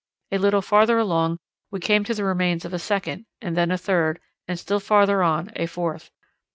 A little farther along we came to the remains of a second and then a third, and still farther on, a fourth.